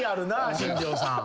新庄さん